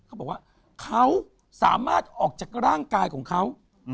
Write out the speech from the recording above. เขาบอกว่าเขาสามารถออกจากร่างกายของเขา